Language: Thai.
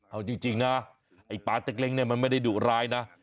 เอาจริงนะไอ้ป๊าเต็กเล้งเนี่ยมันไม่ได้ดุร้ายนะ